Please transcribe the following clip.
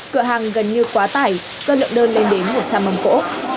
cửa hàng gần như quá tải do lượng đơn lên đến một trăm linh mâm cỗ